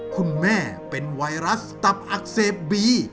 คุณแม่เป็นไวรัสตับอักเสบบี